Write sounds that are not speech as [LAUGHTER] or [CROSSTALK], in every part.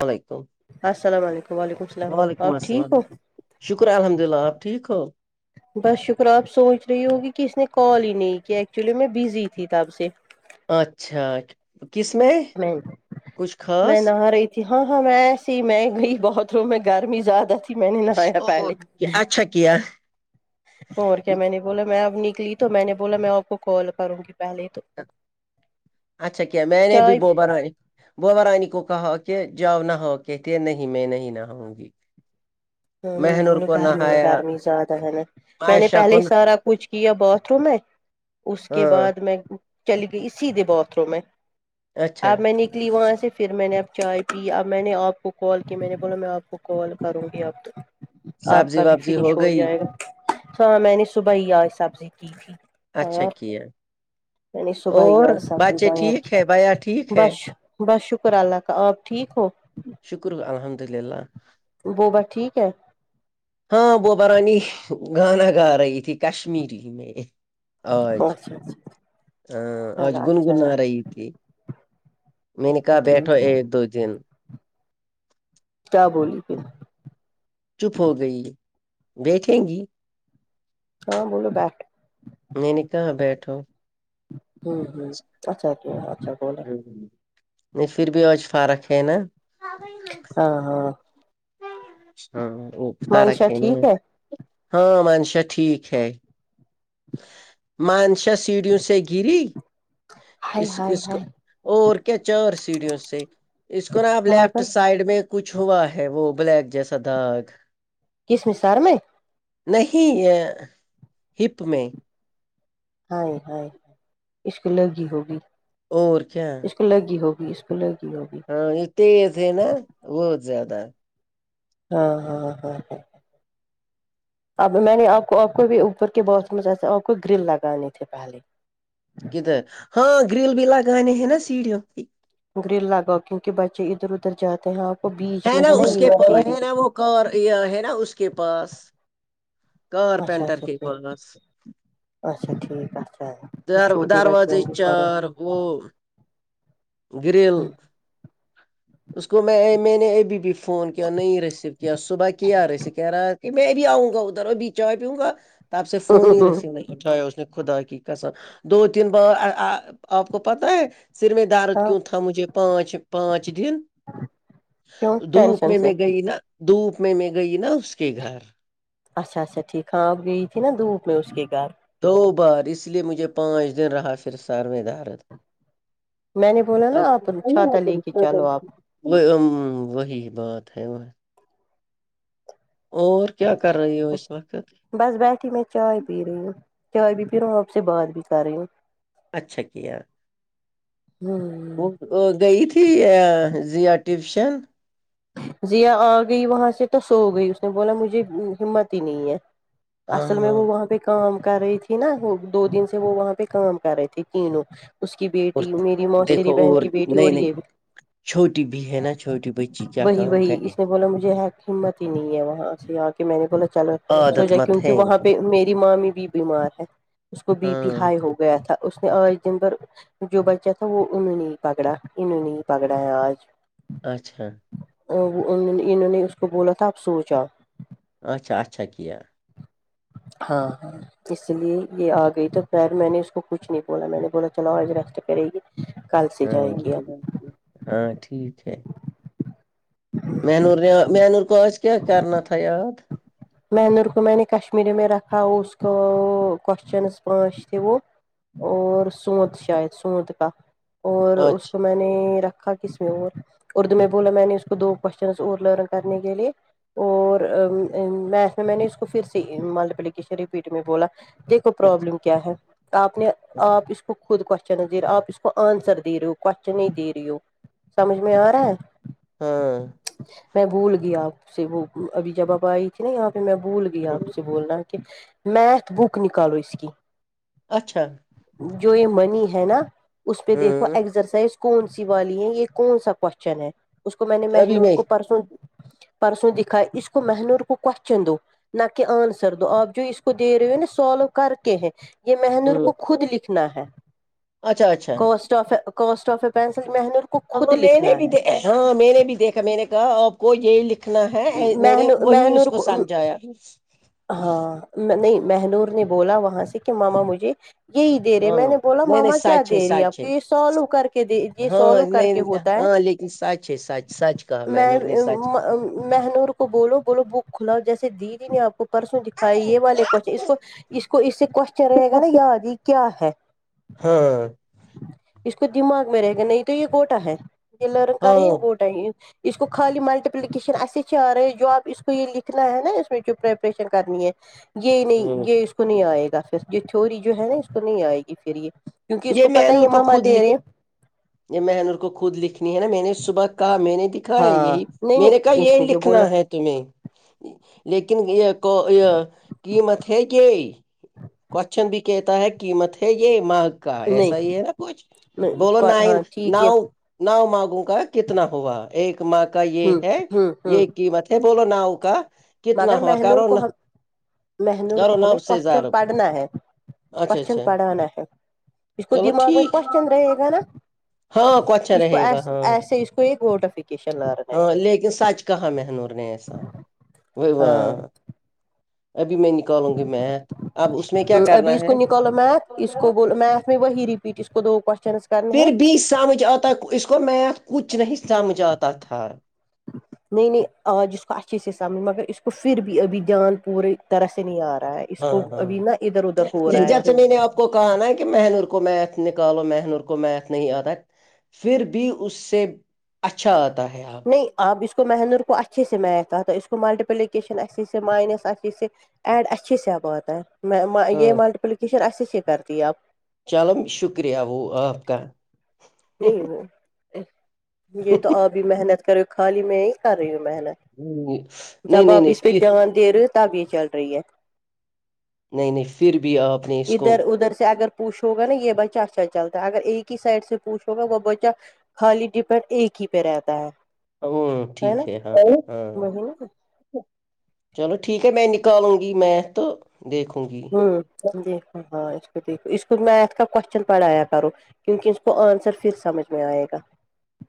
علیکم السلام علیکم وعلیکم السلام وعلیکم آپ ٹھیک السلام ہو شکرہے الحمد للہ ٹھیک ہوں بس شکر ہے آپ سوچ رہی ہوگی کہ اس نے کال ہی نہیں کیا ایکچولی میں بزی تھی تب سے اچھا کس میں کچھ میں خاص نہا رہی ہاں ہاں میں ایسی میں گئی بہت روم میں گرمی زیادہ تھی میں نے نہایا پہلے کہ اچھا کیا اور کیا میں نے بولا میں اب نکلی تو میں نے بولا میں آپ کو کال کروں گی پہلے تو اچھا کیا میں نے بھی چائے بو برای بوبا رانی کو کہا کہ جاؤ نہاؤ کہتی کہ نہیں میں نہیں نہاؤں گی ہاں نہیں مہنور بولو کو گرمی ہے نہایا گرمی زیادہ ہے نا میں نے معائشہ پہلے کو ہی نہ- سارا کچھ کیا باتھ روم میں اس کے ہاں بعد میں چلی گئی سیدھے باتھ روم میں اچھا آپ میں نے وہاں سے پھر میں نے اب چائے پی اب میں نے آپ کو کال کی میں نے بولا میں آپ کو کال کروں گی اب تو آپ سبزی کا بھی وبزی فنش ہو گئی جائے گا تو ہاں میں نے صبح ہی آ سبزی کی تھی اچھا ہاں کیا نے صبح ہی اور آج سبزی بچے تیار کی ٹھیک ہے بھیا ٹھیک ہے بش بس شکر ہے اللہ کا آپ ٹھیک ہو شکر ہے الحمد للہ بوبا ٹھیک ہے ہاں بوبا رانی گانا گا رہی تھی کشمیری میں اچھا چھا آں آج گنگنا رہی میں نے اچھا کہا بیٹھو ٹھیک ایک دو دن کیا بولی پھر چپ ہو گئی دیکھے گی ہاں بولو بیٹ میں نے کہاں بیٹھوں ہمم اچھا کیا آپ نے بول ہم، نہیں پھر بھی آج فارق ہے نا ہاں ہاں ہاں وہ فارق منشا ہے نا ٹھیک ہاں منشا ٹھیک ہے مانشا سیڑھیوں سے گری ہائے اس ہائے اس کو ہائے اور کیا چار سیڑھیوں سے اس کو نا اب لیفٹ پاگل سائڈ میں کچھ ہوا ہے وہ بلیک جیسا داغ کس مثار میں نہیں یہ تمیں ہائے ہائے اس کو لگی ہوگی اور کیا اس کو لگی ہوگی اس کو لگی ہوگی ہاں یہ تیز ہے نا بہت زیادہ ہاں ہاں ہاں ہاں اب میں نے آپ کو آپ کو بھی اوپر کے باکس میں جیسے آپ کو گرل لگانے تھے پہلے کدھر ہاں گرل بھی لگانے ہیں نا سیڑھیوں کی گرل لگاؤ کیونک بچے ادھر ادھر جاتے ہیں آپ کو بیچ ہے میں نا اس کے یہ پاس سیڑھی ہے نا وہ کار ہے نا اس کے پاس اچھا کارپینٹر اچھا کے ٹھیک پاس اچھا ٹھیک اچھا یہ در چھوٹے بچے دروازے ہیں چار بچارے وہ گریل اس کو میں میں نے ابھی بھی فون کیا نہیں ریسیو کیا صبح کیا ریسیو کہہ رہا کہ میں بھی آؤں گا ادھر اور ابھی چاے پیونگا آپ سے فون ہی ریسیو آئی اٹھایا اس نے خدا کی کسم دو تین بار آپ کو پاتا ہے ذمہ دار ہاں کیوں تھا مجھے پانچ پانچ دن کیوں دھوپ ٹینشن میں سے میں گئی نا دھوپ میں میں گئی نا اس کے گھر اچھا اچھا ٹھیک ہاں اب گئی تھی نا دھوپ میں اس کے گھر دو بار اس لیے مجھے پانچ دن رہا پھر سر مے درد میں نے بولا نا آپ چھاتا لے کے چلو آپ [UNINTELLIGIBLE] وہ وہی بات ہے اور کیا کر رہو ہو اس وقت بس بیٹھی میں چائے پی رہی ہوں چائے بھی پی رہا ہوں آپ سے بات بھی کر رہی ہوں اچھا کیا ہوں وہ وہ گئی تھی زیا ٹیوشن زیا آ گئی وہاں سے تو سو گئی اس نے بولا مجھے ہمت ہی نہیں ہے ہاں اصل میں ہاں وہاں پہ کام کر رہی تھی نا وہ دو دن سے وہ وہاں پہ کام کر رہے تھے تینوں اس کی اور بیٹی میری دیکھو موسری بہن اور کی بیٹی نہیں اور نہیں یہ بھی چھوٹی بھی ہے نا چھوٹی بچی کیا وہی کام وہی کرے گی اس نے بولا مجھے ہمت ہی نہیں ہے وہاں سے آ کے میں نے بولا چل عادت سوچا مت کیونکہ ہے ان وہاں کو پہ میری مامی بھی بیمار ہے اس کو بی پی ہاں ہائی ہوگ گیا تھا اس نے آج دن بھر جو بچہ تھا وہ انہوں نے پکڑا انہوں نے پکڑا ہے آج اچھا انہوں نے اس کو بولا تھا اب سوجاو اچھا اچھا کیا ہاں اس لیے یہ آ گئی تو خیر میں نے اس کو کچھ نہیں بولا میں نے بولا چلو ایج ریسٹ کرے گی کل سے ہاں جائے گی ہاں ٹھیک ہے ہاں مینور مینور کو کیا کرنا تھایاد مینر کو میں نے کشمیری میں رکھا اس کو کوشچن پانچ تھے وہ اور سوت شاید سوت کا اور اس کو اچھا میں نے رکھا کس اور اردو میں بولا میں نے اس کو دو کوشچن اور لرن کرنے کے لے اور میعکس میں نے اس کو پھر سے ملٹیلیکیشن رپیٹ میں بولا دیکھو پرابلم اچھا کیا ہے آپ نے آپ اس کو خود کوش آپ اس کو آنسر دے رہی ہو کوشچن ہی دے رہی ہو سمجھ میں آرہا ہے ہاں میں بھول گیا آپ سے وہ ابھی جب آپ آئی تھی نا یہاں پہ میں بھول گئی آپ سے بولنا کہ میعکس بک نکالو اس کی اچھا جو یہ منی ہے نا اس پہ دیکھو ہ ایکسرسائز کون سی والی ہے یہ کون سا کوشچن ہے اس کو میں نے ابھی منور میں کو پرسوں پرسوں دکھا اس کو مہنور کو کوشچن دو نہ کہ آنسر دو آپ جو اس کو دے رہے ہو نا سالو کرکے ہیں یہ مہنور کو خود لکھنا ہے اچھا اچھا کوش آفےسٹ آف اے پینسل محنت [UNINTELLIGIBLE] ہاں میں نے بھی دیکھا میں نے بھی دیکھا میں نے کہا کو یہ لکھنا ہے میں نے مہن وہی مہنور اس کو سمجھایا ہاں نہیں مہنور نے بولا وہاں سے کہ ماما مجھے یہی دے رہے ہاں نے میں بولا نہیں نہیں ماما کیا سچ دے رہی ہے سچ آپ کو یہ سالو کر کے دے یہ ہاں سالو کر کے نہیں ہوتا ہے ہاں لیکن سچ ہے سچ سچ کہو میں مہنور نے سچ مہنور کو بولو بولو بک کھلاؤ جیسے دیدی نے آپ کو پرسوں دکھایا یہ والے کوش اس کو اس کو اس سے کوشچن رہے گا نا یاد یہ کیا ہے ہاں ہاں ہاں اس کو دماغ میں رہے گا نہیں تو یہ گوٹا ہے یہ لرن کا ہاں رہی گوٹا ہی اس کو خالی ملٹیپلک کشن ایسے چھ آ رہے جاب اس کو یہ لکھنا ہے نا اس میں کی پریپریشن کرنی ہے یہ نہیں ہ یہ اس کو نہیں آئے گا پھر یہ تھوری جو ہے نا اس کو نہیں آئے گی پھر یہ کیونکہ اس یہ کو پت مینور ہےماما خود لکھ دیرے یہ مہانور ان کو خود لکھنی ہے نا میں نے صبح کہا میں نے بھی لکھا ہے ہاں یہی نہیں میرے کہ نہیں اس یہی نے جو لکھنا بولا ہے تمہیں لیکن یہ ہیں کو یہ قیمت ہے کیا کوشچن بھی کہتا ہے قیمت ہے یہ مگ کا نہیں ایسا ہی ہے نا کچھ بولو نہیں ہاں ٹھیک ہے نہؤ نو ماگوں کا کتنا ہوا ایک مگ کا یہ ہوں ہے ہوں ہوں یہ قیمت یہ بولو نو کا کتنا مگر ہوا مہنور کو کرونہ ہم مہنور کو ہمیں کوشچن پڑھنا ہے اچھا کوشچن اچھا پڑھانا ہے اس کو چلو دماغ میں ٹھیک کوشچن رہے گا نا ہاں اچھا اس کو رہے گا ہاں ایسے اس کو ایک نوٹیفکیشن لانا ہاں لیکن ہیں سچ کہا مہنور نے ایسا ہاں [UNINTELLIGIBLE] ابھی میں نکالوں گی میتھ اب اس میں کیا ابھی کرنا اس کو ہے نکالو میتھ اس کو بول میھ میں وہی ریپیٹ اس کو دو کویشن پھر بھی سمجھ اتا اس کو میتھ کچھ نہ ہی سمجھ اتا تھار نہیں نہیں آج اس کو اچھے سے سمجھ مگر اس کو پھر بھی ابھی دھیان پورے طرح سے نہیں ا رہا ہے اس ہاں کو ابھی نا ادھر ادھر ہو رہا ہے ہاں [INAUDIBLE] کو کہانا ہے کہ مہنور کو میتھ نکالو مہنور کو میتھ نہیں اتا پھر بھی اس سے اچھا اتا ہے آپ نہیں اب اس کو مہنور کو اچھے سے میتھ اتا ہے اس کو ملٹیپلیکیشن اچھے سے مائنس اچھے سے ایڈ اچھے سے اب اتا ہے میں ہاں یہ ملٹیپلیکیشن اچھے سے کرتی ہے اب چلو شکریہ وہ اپک کا وہ یہ تو آب بھی محنت کرے ہو خالی میں ہی کر رہی ہوں محنت نہیں جب نہیں نہیں واپس پہ پھر دھیان دے رہے ہو تب یہ چل رہی ہے نہیں نہیں پھر بھی اپ نے اس کو ادھر ادھر سے اگر [UNINTELLIGIBLE] یہ بچہ اچھا چلتا ہے اگر ایک ہی سائڈ سے پوچھوگے وہ بچہ خالی [UNINTELLIGIBLE] ایک ہی پہ رہتا ہے ہممم ٹھیک ہے ہاں ہاں وہی نا چلو ٹھیک ہے میں نکالوں گی میں تو دیکھوں گی ھممم دیکھو ہاں اس کو دیکھو اس کو میتھ کا کوشچن پڑھایا کرو کیونکہ اس کو انسر پھر سمجھ میں اے گا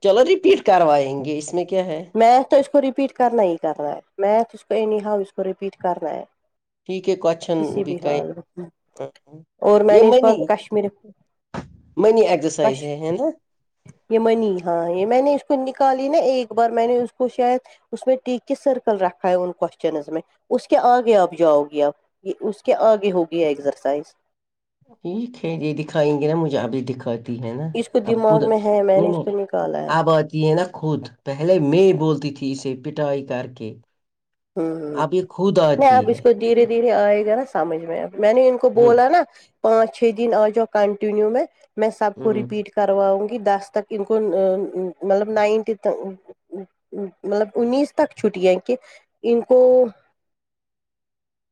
چلو ریپیٹ کروائیں گے اس میں کیا ہے میتھ تو اس کو ریپیٹ کرنا ہی کرنا ہے میتھ اس کو نہیں ایی اس کو رپیٹ کرنا ہے ٹھیک ہے کویشن کسی بھی دیکھئے حال میں اور میں یہ نے اس کو ملی کشمیر میںنی ایکسرسائز کش ہے ہے نا یہ منی ہاں یہ میں نے اس کو نکالی نا ایک بار میں نے اس کو شاید اس میں کس سرکل رکھا ہے ان کوشچن میں اس کے اگے اپ جاؤ گے اپ یہ اس کے اگے ہوگیا ایکسرسائز یہی تھیہ یہ دکھائیں گے نا مجے ابھی دیکھا دیکھتی ہیں نہ اس کو اب خود دماغ میں ہے میں نو نے اس نو کو نکالا ہے اب آتی ہے نا خود پہلے میں بولتی تھی اسے پٹائی کر کے ہوں اب یہ خود نہیں آتی اب اس ہے کو دھیرے دھیرے آئے گا نا سمجھ میں آ میں نے ان کو ہ بولا نا پانچ چھ دن آ جاؤ کنٹنییو میںي سب کو ہ رپیٹ کر کرواؤں گی دس تک ان کو مطلب نائنٹ مطلب انیس تک چھٹییا کہ ان کو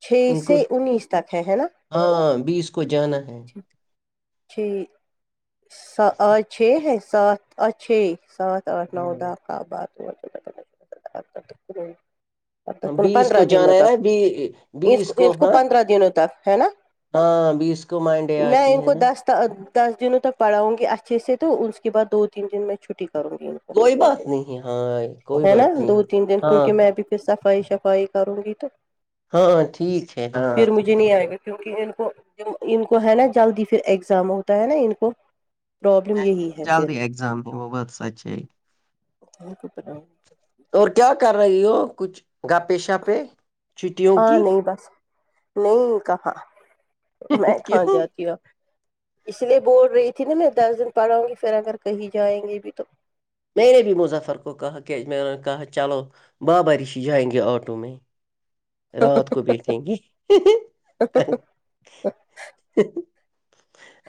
چھ ان کو سے انیس تک ہے ہے نا ہاں بیس کو جانا ہے چھ س آج چھ ہے سات آج چھ سات ہوں، ہاں [UNINTELLIGIBLE] بیس پندرہ کو جانا دنوں ہے تک نا بی اس بیس کو ہاں پندرہ دنوں تک ہے نا ہاں بیس کو مانڈے میں آتی ان ہے کو نا دس دنوں تک پڑھاؤں گی اچھے سے تو اس کے بعد دو تین دن میں چھٹی کروں گی کو کوئی بات نہیں ہاں کوئی بات نہیں ہاں پ صفائی شفائی کروں گی تو ہاں ہ ٹھیک ہے ہاں ج نہیں آئے گا کیونکہ ان کو ج ان کو ہے نا جلد ہی پھر ایگزام ہوتا ہے نا ان کو پرابلم یہی ہے پھر جلدی ایگزام وہ بہت سچ ہی ہاں کچھ باتوں اور کیا کر رہی ہو کچھ گپے شپ ہاں نہیں بس نہیں کہاں میں کھاں کیوں جاتی ہ اس لیے بول رہی تھی نا میں دس دن پڑھاوں گی پھر اگر کہیں جائیں گے بھی تو میں نے بھی مظفر کو کہا کہ میںوں نے کہا چلو بابارش جائیں گے آٹو میں رات کو بیھیگں گے ہی ہی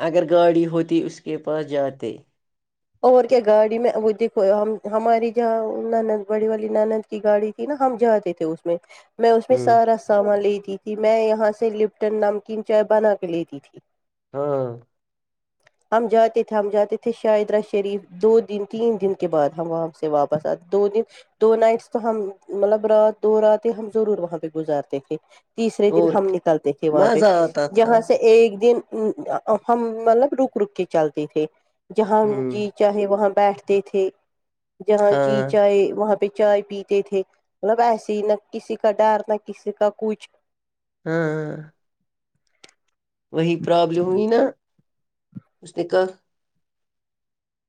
اگر گاڑی ہوتی اس کے پاس جاتے اور کیا گاڑی میں وہ دیکھو ہماری جہاں ند بڑی والی ند کی گاڑی تھی نا ہم جاتے تھے اس میں اس میں ہ سارا سامان لی تھی میں یہاں سے لپٹن نمکین چائے بنا کے لیتی تھی ہاں ہم جاتے تھے ہم جاتے تھے شاہید رش شریف دو دن تین دن کے بعد ہم وہاں سے واپس آ دو دن دو نائٹس تو ہم مطلب رات دو رات ہی ہم ضرور وہاں پہ گزارتے تھے تیسرے دن اور ہم نکلتے تھے وہاں پہ مزہ آتا تھا یہاں سے ایک دن اب ہم ملب روک روک کے چلتے تھے جہاں ہ جی چاہے وہاں بیٹھتے تھے جہاں جی ہاں چائے وہاں پہ چائے پی تھے مطلب ایسے ہی نہ کسی کا ڈر نہ کسی کا کچھ ہوں ہ وہی پرابلم ہوئی نا اس نے کہا